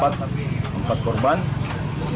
kami menemukan empat korban